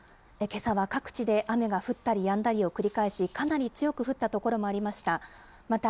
けさは各地で雨が降ったりやんだりを繰り返し、かなり強く降った所もありました。